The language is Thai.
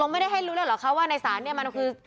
ตรงไม่ได้ให้รู้หรือหรือคะว่าในสารนี้มันคือ